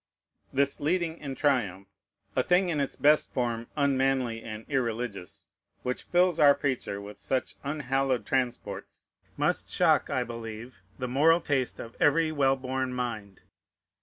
This "leading in triumph," a thing in its best form unmanly and irreligious, which fills our preacher with such unhallowed transports, must shock, I believe, the moral taste of every well born mind.